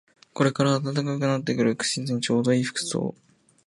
これから暖かくなってくる季節にちょうどいい服装